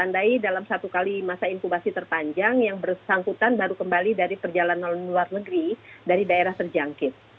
andai dalam satu kali masa inkubasi terpanjang yang bersangkutan baru kembali dari perjalanan luar negeri dari daerah terjangkit